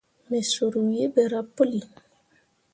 Me sur wǝǝ ɓerah puli.